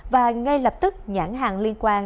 và ngay lập tức nhãn hàng liên quan